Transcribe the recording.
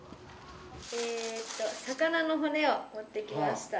えと魚のほねをもってきました。